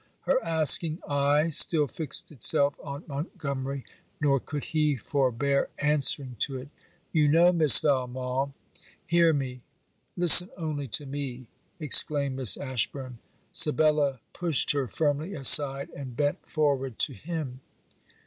Her asking eye still fixed itself on Montgomery, nor could he forbear answering to it. 'You know, Miss Valmont ' 'Hear me! listen only to me!' exclaimed Miss Ashburn. Sibella pushed her firmly aside, and bent forward to him.